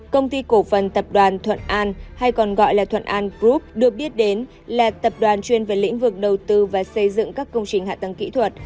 công ty cổ phần tập đoàn thuận an hay còn gọi là thuận an group được biết đến là tập đoàn chuyên về lĩnh vực đầu tư và xây dựng các công trình hạ tầng kỹ thuật